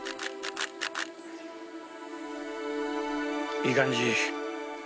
いい感じ。